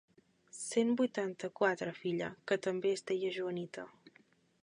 Cent vuitanta-quatre filla, que també es deia Juanita.